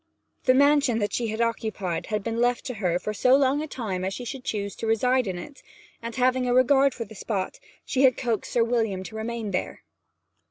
The mansion that she occupied had been left to her for so long a time as she should choose to reside in it, and, having a regard for the spot, she had coaxed Sir William to remain there.